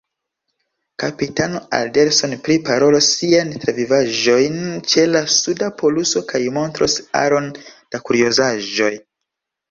Kapitano Alderson priparolos siajn travivaĵojn ĉe la suda poluso kaj montros aron da kuriozaĵoj.